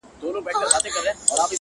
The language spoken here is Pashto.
o د خپل ښايسته خيال پر رنگينه پاڼه ـ